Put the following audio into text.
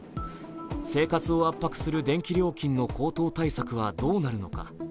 生活を圧迫する電気料金の高騰対策はどうなるのか。